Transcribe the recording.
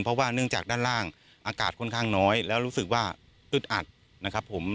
เพราะว่าเนื่องจากด้านล่างอากาศค่อนข้างน้อยแล้วรู้สึกว่าอึดอัดนะครับผม